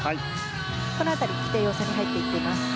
この辺りも規定要素に入っています。